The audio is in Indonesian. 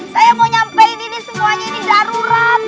saya mau nyampein ini semuanya ini darurat